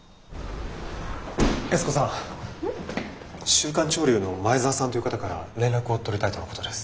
「週刊潮流」の前沢さんという方から連絡を取りたいとのことです。